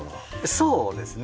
そうですね。